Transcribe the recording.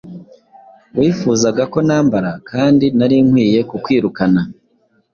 Wifuzaga ko nambara, kandi nari nkwiye kukwirukana